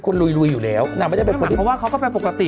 คุณลุยอยู่แล้วน้ำไม่ใช่เป็นพยาบาลเพราะว่าเค้าก็เป็นปกติ